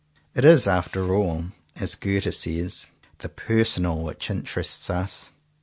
It is after all, as Goethe says, the personal which interests us.